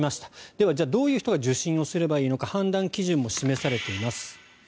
では、どういう人が受診すればいいのか判断基準も示されています。